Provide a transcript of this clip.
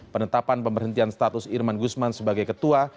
penetapan pemberhentian status irman gusman sebagai ketua